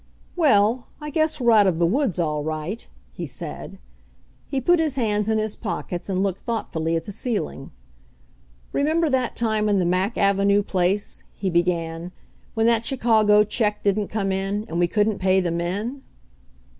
"Well, I guess we're out of the woods, all right," he said. He put his hands in his pockets and looked thoughtfully at the ceiling. "Remem ber that time in the Mack avenue place," he be gan, "when that Chicago check didn't come in, and we couldn't pay the men